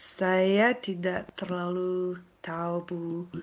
saya tidak terlalu tahu bu